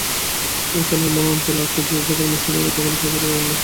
ওখানে এমন অঞ্চল আছে যেখানে মিশনরীরা কখনও পৌঁছিতে পারেন না।